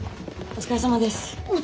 お疲れさまです。